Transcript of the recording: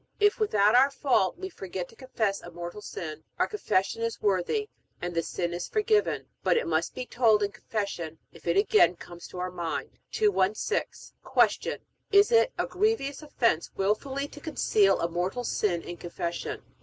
If without our fault we forget to confess a mortal sin, our Confession is worthy, and the sin is forgiven; but it must be told in Confession if it again comes to our mind. 216. Q. Is it a grievous offense wilfully to conceal a mortal sin in Confession?